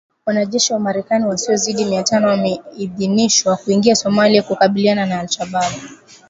Wanajeshi wa Marekani wasiozidi mia tano wameidhinishwa kuingia Somalia kukabiliana na Al Shabaab.